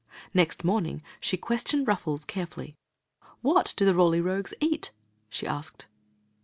Next morning she questioned Ruffles carefully. "What do the Roly Rogues eat?" she asked.